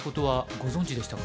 ご存じでしたか？